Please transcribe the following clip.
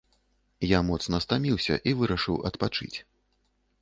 Я моцна стаміўся і вырашыў адпачыць.